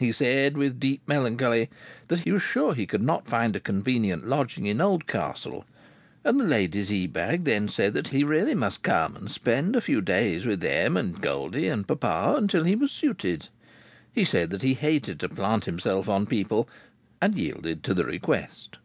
He said with deep melancholy that he was sure he could not find a convenient lodging in Oldcastle. And the ladies Ebag then said that he must really come and spend a few days with them and Goldie and papa until he was "suited." He said that he hated to plant himself on people, and yielded to the request.